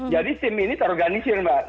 jadi tim ini terorganisir mbak